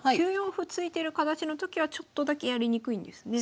歩突いてる形のときはちょっとだけやりにくいんですね。